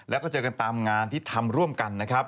แล้วก็เจอกันตามงานที่ทำร่วมกันนะครับ